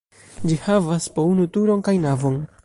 Ĝi havas po unu turon kaj navon.